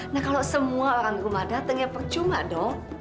nah kalau semua orang rumah datang ya percuma dong